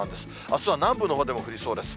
あすは南部のほうでも降りそうです。